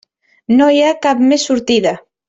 No hi ha cap més sortida.